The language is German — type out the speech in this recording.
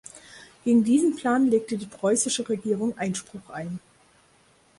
Gegen diesen Plan legte die preußische Regierung Einspruch ein.